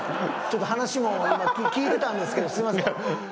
ちょっと話も聞いてたんですけどすいません。